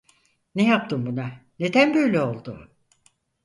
Ne yaptın buna, neden böyle oldu?